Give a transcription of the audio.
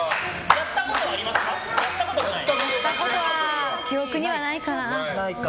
やったことは記憶にはないかな。